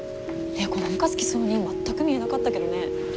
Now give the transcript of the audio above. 猫なんか好きそうに全く見えなかったけどね。